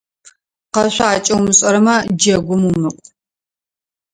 Къэшъуакӏэ умышӏэрэмэ, джэгум умыкӏу.